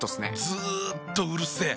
ずっとうるせえ。